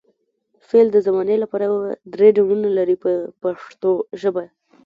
فعل د زمانې له پلوه درې ډولونه لري په پښتو ژبه.